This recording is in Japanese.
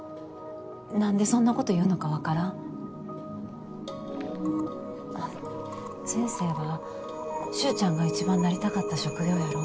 何でそんなこと言うのか分からん先生は脩ちゃんが一番なりたかった職業やろ？